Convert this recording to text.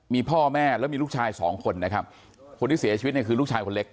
มีพ่อแม่แล้วมีลูกชายสองคนนะครับคนที่เสียชีวิตเนี่ยคือลูกชายคนเล็ก